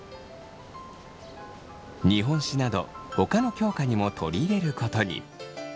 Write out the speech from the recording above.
日本史などほかの教科にも取り入れることに。